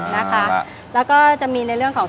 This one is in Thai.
นะคะแล้วก็จะมีในเรื่องของ